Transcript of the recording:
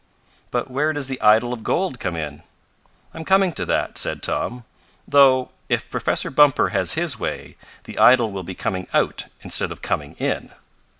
"But where does the idol of gold come in?" "I'm coming to that," said Tom. "Though, if Professor Bumper has his way, the idol will be coming out instead of coming in."